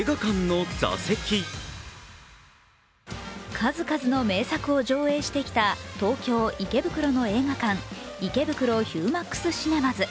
数々の名作を上映してきた東京・池袋の映画館、池袋ＨＵＭＡＸシネマズ。